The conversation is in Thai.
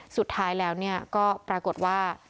สุดท้ายแล้วก็ปรากฏว่า